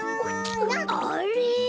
あれ？